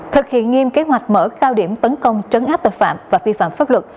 thực hiện nghiêm kế hoạch mở cao điểm tấn công trấn áp tội phạm và vi phạm pháp luật